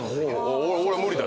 俺無理だ。